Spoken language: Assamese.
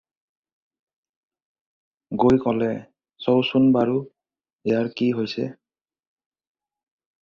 গৈ ক'লে- "চওঁচোন বাৰু, ইয়াৰ কি হৈছে।"